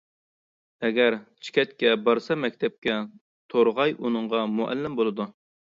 ئەگەر چېكەتكە، بارسا مەكتەپكە تورغاي ئۇنىڭغا مۇئەللىم بولىدۇ.